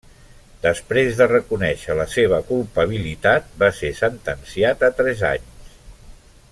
Després de reconèixer la seva culpabilitat, va ser sentenciat a tres anys.